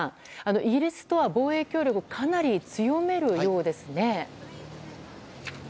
イギリスとは防衛協力をかなり強めるようですね。